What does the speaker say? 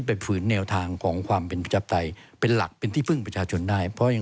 ที่ไปฝืนแนวทางของความเป็นประชาติเป็นหลักเป็นที่ฟึ่งประชาชนได้